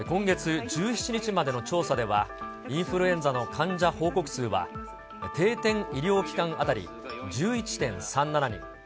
今月１７日までの調査では、インフルエンザの患者報告数は、定点医療機関当たり１１．３７人。